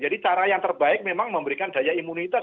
cara yang terbaik memang memberikan daya imunitas